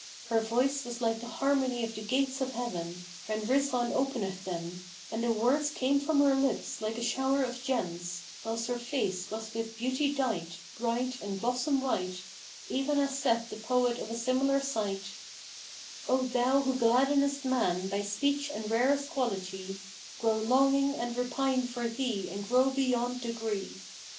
Her voice was like the harmony of the gates of Heaven, when Rizwan openeth them, and the words came from her lips like a shower of gems; whilst her face was with beauty dight, bright and blossom white, even as saith the poet of a similar sight, 'O thou who gladdenest man by speech and rarest quality; * Grow longing and repine for thee and grow beyond degree!